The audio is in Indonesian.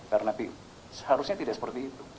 karena seharusnya tidak seperti itu